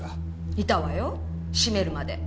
いたわよ閉めるまで。